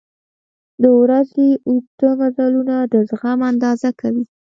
• د ورځې اوږده مزلونه د زغم اندازه کوي.